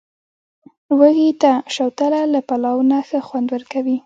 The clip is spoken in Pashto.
وږي ته، شوتله له پلاو نه ښه خوند ورکوي.